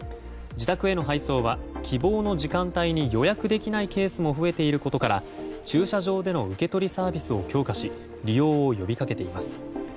自宅への配送は希望の時間帯に予約できないケースが増えていることから駐車場での受け取りサービスを強化し利用を呼びかけています。